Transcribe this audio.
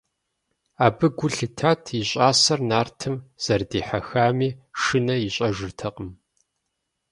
Абы гу лъитат и щӀасэр нартым зэрыдихьэхами, шынэ ищӀэжыртэкъым.